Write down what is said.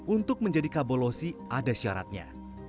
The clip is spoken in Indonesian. untuk menjadi kabolosi ada syaratnya